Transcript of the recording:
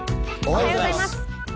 おはようございます。